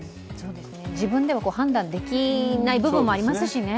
自分では判断できない部分もありますしね。